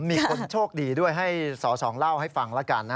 มีคนโชคดีด้วยให้สอสองเล่าให้ฟังแล้วกันนะ